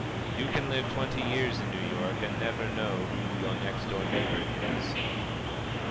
"You can live twenty years in New York and never know who your next door neighbor is."